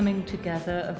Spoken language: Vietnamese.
và thiết kế việt nam